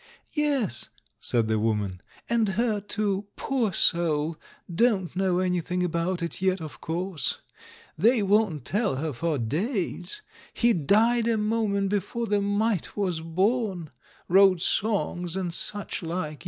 "Yes," said the woman, "and her, too, poor soul — don't know anything about it yet of course ! They won't tell her for days. He died a moment before the mite was born. Wrote songs and such like.